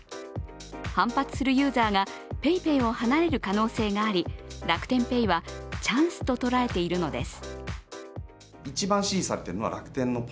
反発するユーザーがＰａｙＰａｙを離れる可能性があり楽天ペイはチャンスと捉えているのです。